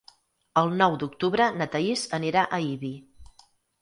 El nou d'octubre na Thaís anirà a Ibi.